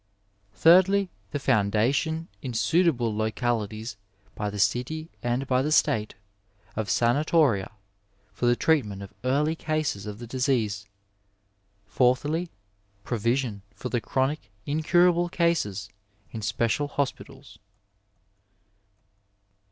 Thirdly, the foundation in suitable localities by the city and by the State of sanatoria for the treatment of early cases of the disease. Fourthly, provision for the chronic, incurable cases in special hospitals.